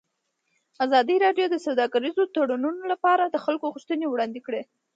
ازادي راډیو د سوداګریز تړونونه لپاره د خلکو غوښتنې وړاندې کړي.